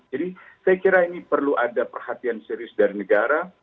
jadi saya kira ini perlu ada perhatian serius dari negara